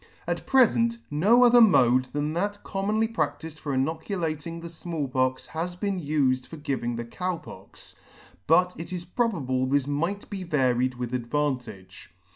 At prefent, no other mode than that commonly practifed for inoculating the Small Pox has been ufed for giving the Cow Pox ; but it is probable this might be varied with advantage.